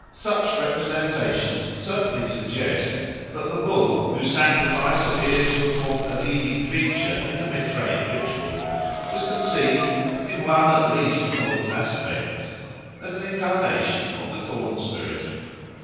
Such representations certainly suggest that the bull, whose sacrifice appears to have formed a leading feature in the Mithraic ritual, was conceived, in one at least of its aspects, as an incarnation of the corn spirit.